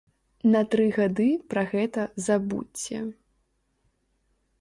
На тры гады пра гэта забудзьце!